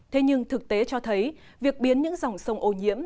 thế nhưng thực tế cho thấy việc biến những dòng sông ô nhiễm